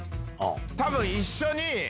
多分一緒に。